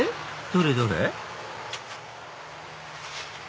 どれどれ？